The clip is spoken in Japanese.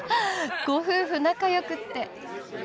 ご夫婦仲よくって。